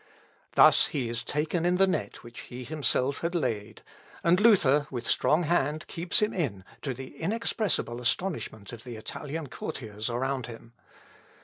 Thus he is taken in the net which he himself had laid, and Luther with strong hand keeps him in, to the inexpressible astonishment of the Italian courtiers around him.